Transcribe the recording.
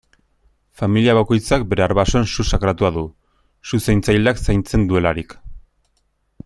Familia bakoitzak bere arbasoen su sakratua du, su-zaintzaileak zaintzen duelarik.